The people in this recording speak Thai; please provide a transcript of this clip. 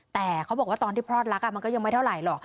แต่เขาบอกว่าตอนที่พลอดรักมันก็ยังไม่เท่าไหร่หรอก